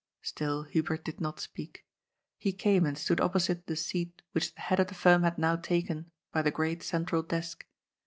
Still Hubert did not speak. He came and stood op posite the seat which the head of the firm had now taken by the great central desk.